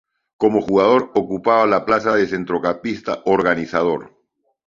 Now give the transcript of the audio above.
Como jugador, ocupaba la plaza de centrocampista organizador.